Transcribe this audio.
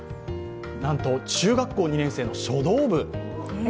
なんと、中学校２年生の書道部。